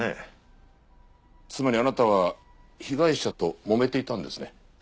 つまりあなたは被害者ともめていたんですね？